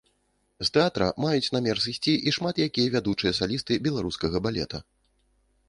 З тэатра маюць намер сысці і шмат якія вядучыя салісты беларускага балета.